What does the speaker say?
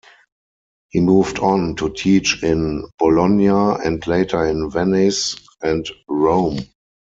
He moved on to teach in Bologna and later in Venice and Rome.